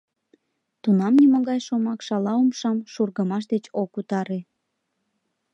Тунам нимогай шомак шала умшам шургымаш деч ок утаре.